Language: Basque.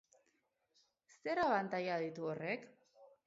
Zer abantaila ditu horrek?